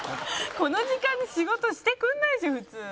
この時間に仕事してくれないでしょ普通。